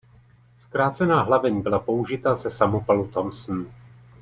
Zkrácená hlaveň byla použita ze samopalu Thompson.